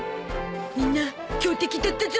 みんな強敵だったゾ。